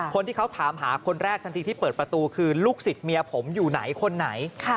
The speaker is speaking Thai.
คนที่เขาถามหาคนแรกทันทีที่เปิดประตูคือลูกศิษย์เมียผมอยู่ไหนคนไหน